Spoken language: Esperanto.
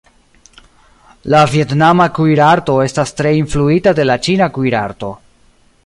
La vjetnama kuirarto estas tre influita de la ĉina kuirarto.